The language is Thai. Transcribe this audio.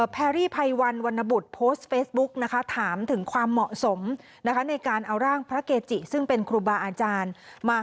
แพรรี่พายวันพนิษฐ์วันนบุตรโพสต์เฟซบุ๊กถามถึงความเหมาะสม